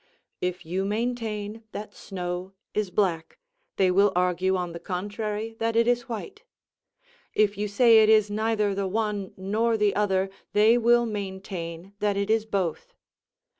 If you maintain that snow is black, they will argue on the contrary that it is white; if you say it is neither the one nor the other, they will maintain that it is both.